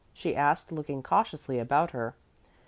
she asked, looking cautiously about her.